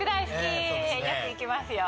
よく行きますよ。